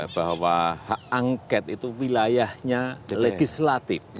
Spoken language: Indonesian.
bahwa hak angket itu wilayahnya legislatif